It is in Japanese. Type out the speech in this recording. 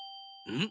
うん！